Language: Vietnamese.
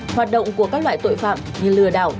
hoạt động của các loại tội phạm như lừa đảo